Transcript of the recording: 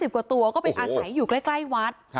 กว่าตัวก็ไปอาศัยอยู่ใกล้วัด